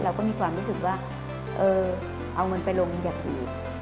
เราก็มีความรู้สึกว่าเอาเงินไปลงอยากอีก